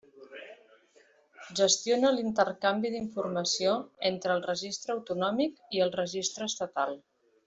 Gestiona l'intercanvi d'informació entre el Registre autonòmic i el Registre estatal.